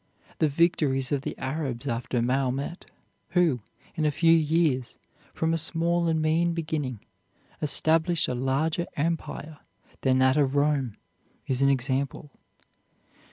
The victories of the Arabs after Mahomet, who, in a few years, from a small and mean beginning, established a larger empire than that of Rome, is an example.